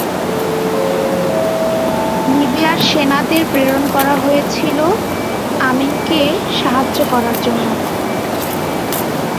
লিবিয়ার সেনাদের প্রেরণ করা হয়েছিল আমিনকে সাহায্য করার জন্য।